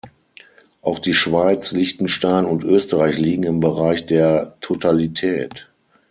Auch die Schweiz, Liechtenstein und Österreich liegen im Bereich der Totalität.